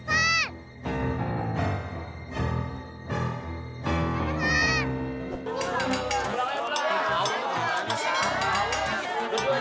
kurang pengen perang ke sini